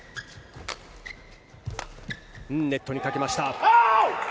ネットにかけました。